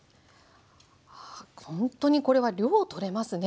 ほんとにこれは量とれますね。